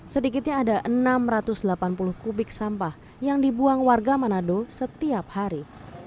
sedikitnya ada enam ratus delapan puluh kubik sampah yang dibuang warga manado setiap hari